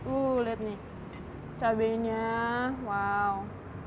uh lihat nih cabainya wow